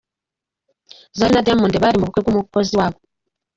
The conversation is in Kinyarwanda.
Zari na Diamond bari mu bukwe bw’umukozi wabo.